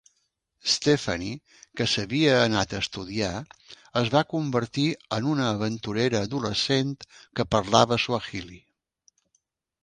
Stefanie, que s'havia anat a estudiar, es va convertir en una aventurera adolescent que parlava suahili.